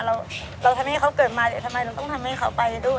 เราทำให้เขาเกิดมาเดี๋ยวทำไมเราต้องทำให้เขาไปด้วย